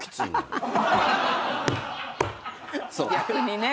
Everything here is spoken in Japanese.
逆にね。